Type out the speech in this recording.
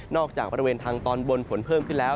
จากบริเวณทางตอนบนฝนเพิ่มขึ้นแล้ว